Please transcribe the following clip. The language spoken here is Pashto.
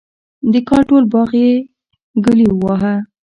د کال ټول باغ یې ګلي وواهه.